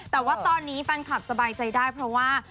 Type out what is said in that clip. แต่ว่าตอนนี้แฟนคลับสบายใจได้เพราะว่า